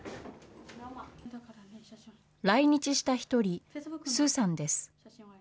来日した１人、スさんです。